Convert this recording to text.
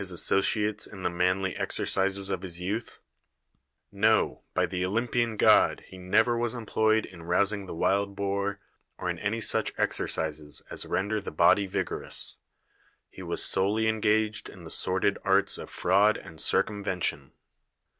ssociates in the manly exercises of his youth ? No, by the Olympian god ! he never was employed in rous ing the wild boar, or in any such exercises as render the body vigorous ; he vv'as solely engaged in the sordid arts of fraud and circumvention.